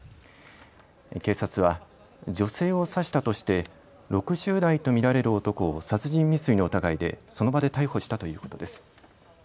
警察は女性を刺したとして６０代と見られる男を殺人未遂の疑いでその場で逮捕したということです。